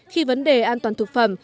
khi vấn đề an toàn thực phẩm